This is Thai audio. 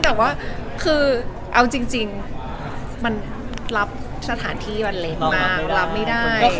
แต่ว่าคือเอาจริงมันรับสถานที่มันเล็กมากรับไม่ได้